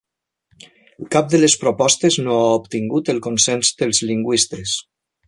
Cap de les propostes no ha obtingut el consens dels lingüistes.